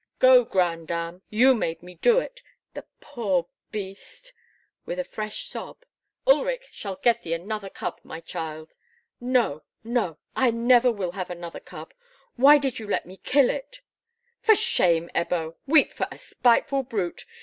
"Go, grandame; you made me do it, the poor beast!" with a fresh sob. "Ulrich shall get thee another cub, my child." "No, no; I never will have another cub! Why did you let me kill it?" "For shame, Ebbo! Weep for a spiteful brute!